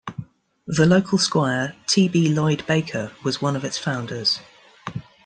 The local squire, T. B. Lloyd Baker, was one of its founders.